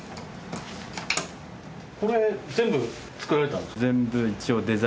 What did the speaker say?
これ全部作られたんですか？